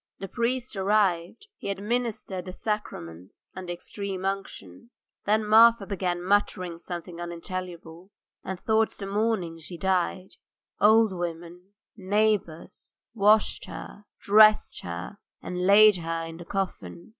The priest arrived; he administered the sacrament and extreme unction. Then Marfa began muttering something unintelligible, and towards morning she died. Old women, neighbours, washed her, dressed her, and laid her in the coffin.